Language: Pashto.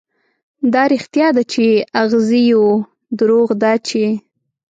دا رښتيا ده، چې اغزي يو، دروغ دا چې